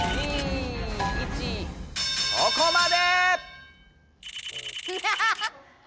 そこまで！